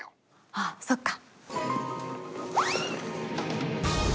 あっそっか！